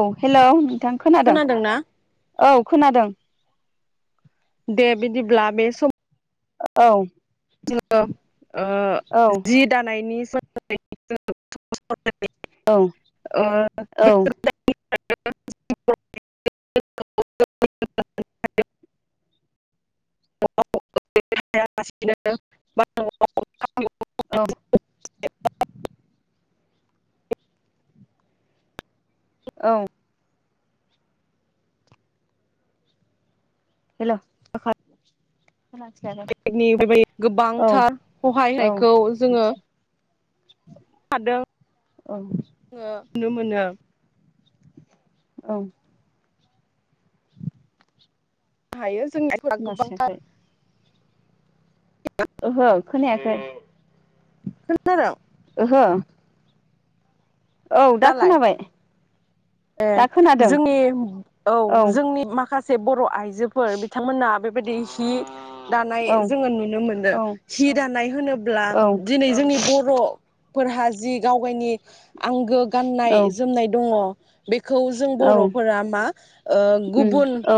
औ हेलौ नोंथां खोनादों खोनादोंना औ खोनादों दे बिदिब्ला बे सम औ जोङो ओ औ जि दानायनि औ औ [unintelligible] [unintelligible] [unintelligible] [unintelligible] औ औ हेलौ [unintelligible] बेनि बेबाय औ गोबांथार औ सहायनायखौ जोङो हादों औ ओ नुनो मोनो औ हायो जोंनायफोरा गोबांथार खोनास्रायाखै ओहो खोनायाखै खोन्थादों, ओहो औ दा खोनाबाय ए दा खोनादों जोंनि औ जोंनि मा माखासे बर' आइ आइजोफोर बिथांमोना बे बे बायदि हि दानाय औ जोङो नुनो मोनो औ हि दानाय होनोब्ला औ दिनै जोंनि बर' फोरहा जि गावगायनि आंगो गाननाय औ जोमनाय दङ, बेखौ जों औ बर'फोरा मा ओ उम गुबुन, औ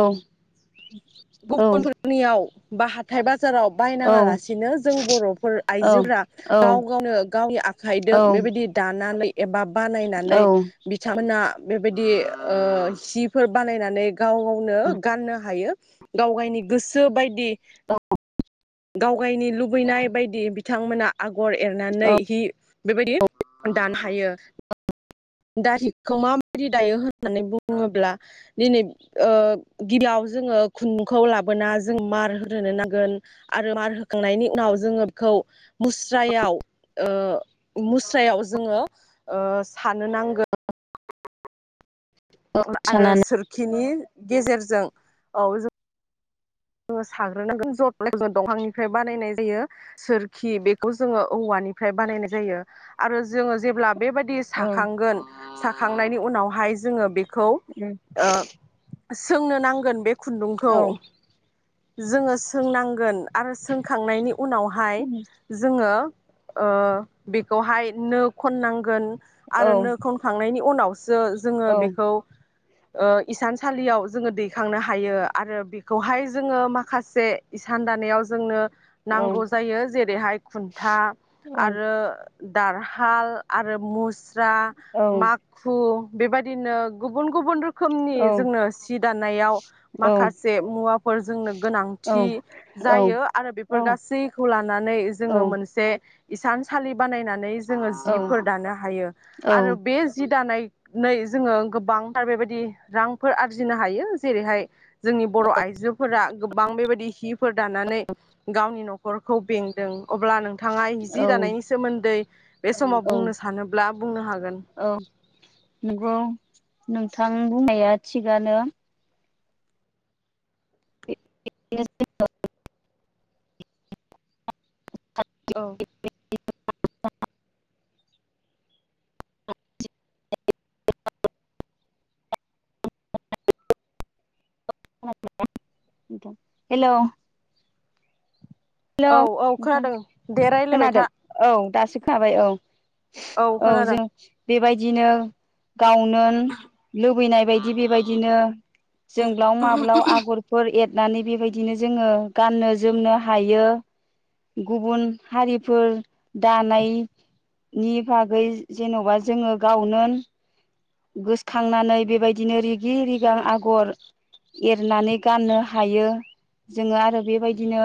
औ गुबुनफोरनियाव बा हाथाय बाज बाजाराव औ बायनाङा लासिनो जों बर'फोर औ आइजोफोरा औ गाव गावनो गावनि आखाइजों औ बेबायदि दानानै, एबा बानायनानै औ बिथांमोना, बेबायदि ओ जिफोर बानायनानै गाव गावनो गाननो हायो गाव गावनि गोसो बायदि औ गावगायनि लुबैनाय बायदि बिथांमोना आग आगर औ एरनानै हि बेबायदि दानो हायो। दा हिखौ माबायदि दायो होननानै बुङोब्ला दिनै ओ गिबियाव जोङो खुुंन्दुंखौ लाबोना जों मार होनोनो नांगोन आरो मार होखांनायनि उनाव जोङो बेखौ मुस्रायाव ओ मुस्रायाव जोङो, सानो नांगोन आरो सानानै सोरखिनि, गेजेरजों औ जोङो साग्रोनांगोन ज'द ज दंफांनिफ्राय बानायनाय जायो सोरखि बेखौ जोङो औवानिफ्राय बानायनाय जायो आरो जोङो जेब्ला, बेबायदि औ साखांगोन, साखांनायनि उनावहाय जोङो बेख खौ ओ सोंनो नां नांगोन बे ‌ औ खुन्दुंखौ जोङो सोंनांगोन, आरो सोंखांनायनि उनावहाय जोङो, ओ बेखौहाय नो खननांगोन, आरो नो खनखांनायनि उनाव सो जोङो बेखौ ओ इसानसालियाव जोङो दैखांनो हायो आरो बेखौहाय जोङो माखासे इसान दानायाव जोंनो औ नांगौ जायो जेरैहाय खुन्था आरो दारहाल आरो मुस स्रा औ माखु बेबायदिनो गुबुन गुबुन रोखो खोमनि जोंनो सि दानायाव माखासे मुवा जोंनो गोनांथि जायो औ-औ-औ-औ-औ-औ-औ-औ-औ आरो बेफोर गासैखौ लानानै जोङो मोनसे हिसान सालि बानायनानै जोङो जिफोर दानो हायो आरो बे जि दानाय नै जोङो गोबांथार बेबायदि रांफोर आरजिनो हायो जेरैहाय जोंनि बर' आइजो फोरा गोबां बेबायदि [unintelligible] फोर दानानै गावनि न'खर खरखौ बेंदों अब्ला नों थाङा जि दानायनि सोमोन्दै बे समाव बुंनो सानोब्ला बुंनो हागोन नंगौ नोंथां बुंनाया थिगानो [unintelligible] औ [unintelligible] हेलौ हेलौ औ औ नोंथां खोनादों दे रायलायबाय था खोनादों औ दासो खोनाबाय औ औ जों बेबायदिनो गावनो लुबैनाय बायदि बेबायदिनो जोंब्लाव माब्लाव आगरफोर एद दानानै बेबायदिनो जोङो गाननो जोमनो हायो गुबुन हारिफोर दानायनि बागै जेन'बा जोङो गावनो गोसोखांनानै बेबायदिनो रिगि रिगां आगर एरनानै गाननो हायो जोङो आरो बेबायदिनो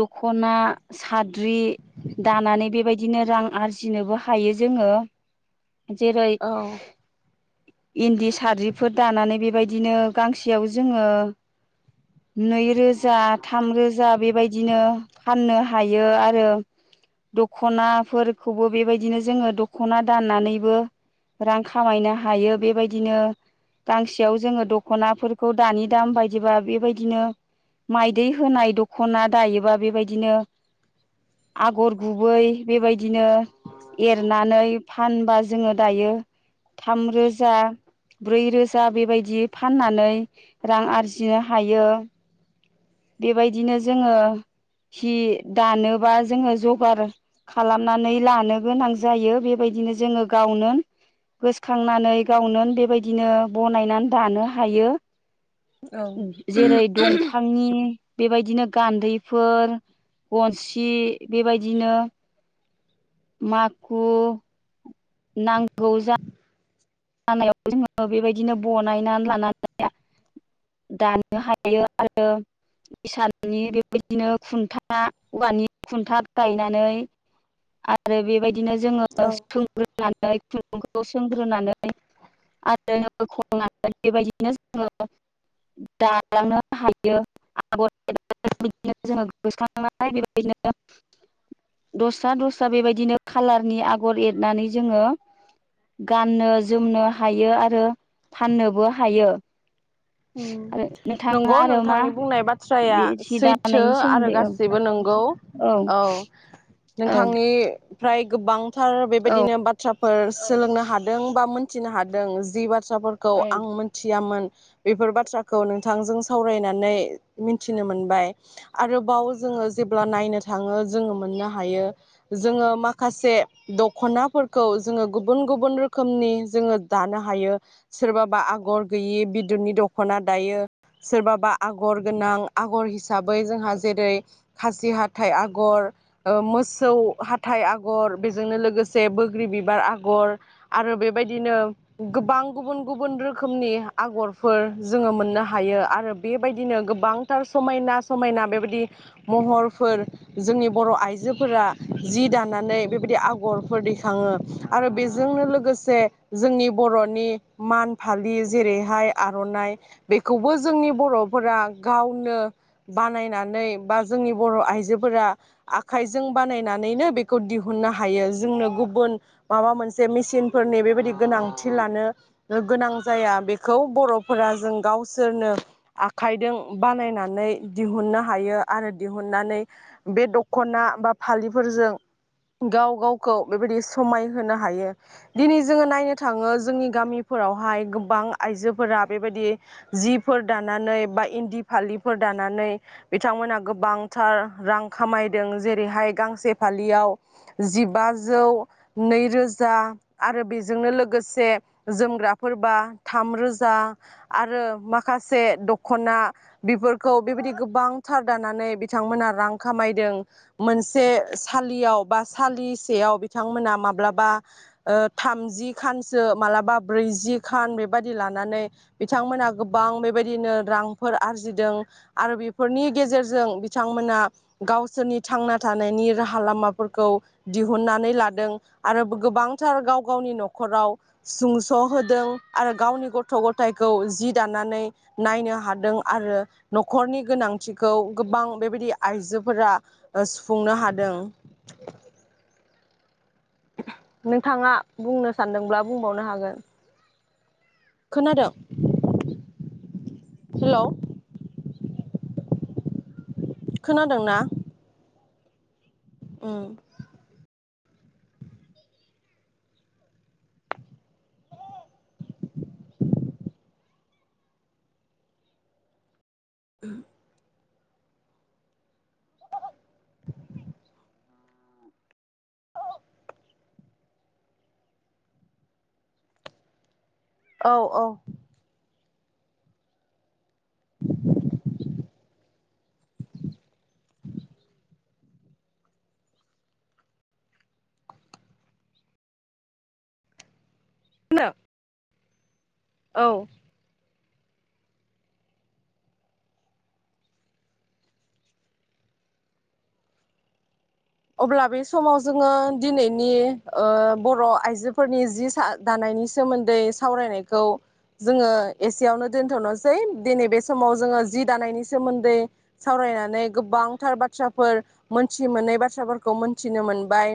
दखना साद्रि दानानै बेबायदिनो रां आरजिनोबो हायो जोङो। जेरै औ इन्दि साद्रिफोर दानानै बेबायदिनो गांसेयाव जोङो नैरोजा थामरोजा बेबाय दिनो फाननो हायो आरो दख'नाफोरखौबो बेबायदिनो जोङो दख'ना दानानैबो रां खामायनो हायो बेबायदिनो गांसेयाव जोङो दख'नाफोरखौ दानि दाम बायदिबा बेबायदिनो माइदै होनाय दख'ना दायोबा बेबायदिनो आगर गुबै बेबाय दिनो एरनानै फानबा जोङो दायो थाम रोजा ब्रै रोजा बेबायदि फाननानै रां आरजिनो हायो। बेबायदिनो जोङो हि दानोबा जोङो जगार खालामनानै लानो गोनां जायो बेबायदिनो जोङो गावनो गोसोखांनानै गावनो बेबायदिनो बनायनानै दानो हायो। जेरै दंफांनि बेबायदिनो गान्दैफोर गनसि बेबायदिनो माखु नांगौ जा नायाव जोंङो बेबायदिनो बनायनानै लानानै दानो हायो आरो इसानि बेबायदिनो खुन्था औवानि खुन्था गायनानै आरो बेबायदि दिनो जोंङो औ सोंग्रो नानै खुन्दुंखौ सोंग्रोनानै [unintelligible] दस्रा दस्रा बेबायदिनो खाालारनि आगर एरनानै जोंङो गाननो जोमनो हायो आरो फाननोबो हायो। आरो नंगौ नोंथाङा आरो मा नोंथांनि बुंनाय बाथ्राया बे सि सैथो दानायनि आरो सोमोन्दै औ गासैबो नंगौ औ। औ नोंथांनिफ्रा य गोबां थार औ बेबायदिनो बाथ्राफोर सोलोंनो हादों बा मोन थिनो हादों जिबा थ्राफोरखौ औ आं मिथियामोन। बेफोर बाथ्राखौ नोंथांजों सावरायनानै मिथिनो मोनबाय आरोबाव जोंङो जेब्ला नायनो थांङो जोंङो मोननो हायो जोंङो माखासे दखनाफोरखौ जोंङो गुबुन गुबुन रोखोमनि जोंङो दानो हायो सोरबाबा आगर गैयि बिद दननि दखना दायो सोरबाबा आगर गोनां आगर हिसाबै जोंहा जेरै खासि हाथाइ आगर ओ मोसौ हाथाइ आगर बेजोंनो लोगोसे बोग्रि बिबार आगर आरो बेबायदिनो गोबां गुबुन गुबुन रोखोमनि आगर फोर जोंङो मोननो हायो आरो बेबायदिनो गोबांथार समायना समायना बेबायदि महरफोर जोंनि बर' आइजोफोरा जि दानानै बेबायदि आगरफोर दैखांङो आरो बेजोंनो लोगोसे जोंनि बर'नि मान फालि जेरैहाय आर'नाइ बेखौबो जोंनि बर'फोरा गावनो बानायनानै बा जोंनि बर' आइजोफोरा आखाइजों बानायनानैनो बेखौ दिहुननो हायो जोंनो गुबुन माबा मोनसे मेसिनफोरनि बेबायदि गोनांथि लानो गोनां जाया बेखौ बर'फोरा जों गावसोरनो आखाइदों बानायनानै दिहुननो हायो आरो दिहुननानै बे दख'ना बा फालिफोरजों गाव गावखौ बेबायदि समायहोनो हायो दिनै जोंङो नायनो थांङो जोंनि गामिफोरावहाय गोबां आइजो फोरा बेबायदि जिफोर दानानै बा इन्दि फालिफोर दानानै बिथांमोना गोबांथार रां खामायदों जेरैहाय गांसे फालियाव जिबाजौ नैरोजा आरो बेजोंनो लोगोसे जोमग्राफोरबा थामरो जा आरो माखासे दखना बेफोरखौ बेबायदि गोबांथार दानानै बिथांमोना रां खामायदों मोनसे सालियाव बा सालिसेयाव बिथांमोना माब्लाबा ओ थामजि खानसो मालाबा ब्रैजि खान बेबदि लान नानै बिथांमोना गोबां बेबायदिनो रांफोर आरजिदों आरो बेफोरनि गेजेरजों बिथांमोना गावसोरनि थांना थानायनि राहा लामाफोरखौ दिहुननानै लादों आरो गोबांथार गाव गावनि न'खराव सुंस' होदों आरो गावनि ग थ' गथायाइखौ जि दानानै नायनो हादों आरो न'खरनि गोनांथिखौ गोबां बेबायदि आइजोफोरा सुफुंनो हादों। नोंथांङा बुंनो सानदोंब्ला बुंबावनो हागोन खोनादों हेलौ खोनादों ना? ओम [inaudible] औ औ [inaudible] औ अब्ला बे समाव जोंङो दिनैनि ओ बर' आइजोफोरनि जि दानायनि सोमोन्दै सावरायनायखौ जोंङो एसेयावनो दोनथ'नोसै दिनै बे समाव जोंङो जि दानायनि सोमोन्दै सावरायनानै गोबांथार बाथ्राफोर मोनथि मोनै बाथ बाथ्राफोरखौ मोनथिनो मोनबाय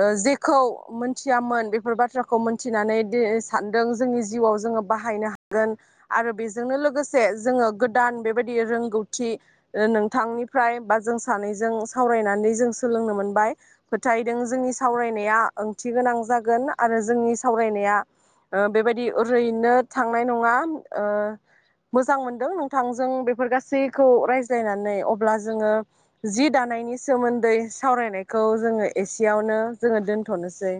ओ जेखौ मोनथियामोन बेफोर बाथ्राखौ मोनथिनानै दि सानदों जोंनि जिउआव जोंङो बाहायनो हागोन आरो बेजोंनो लोगोसे जोंङो गोदान बेबायदि रोंगौथि नोंथांनिफ्राय बा जों सानैजों सावरायनानै जों सोलोंनो मोनबाय फोथायदों जोंनि सावरायनाया ओंथि गोनां जागोन आरो जोंनि सावरायनाया ओ बेबायदि ओरैनो थांनाय नंङा ओ मोजां मोनदों नोंथांजों बेफोर गासैखौ रायज्लायनानै अब्ला जोंङो जि दानायनि सोमोन्दै सावरायनायखौ जोंङो एसेयावनो जोंङो दोन्थ'नोसै।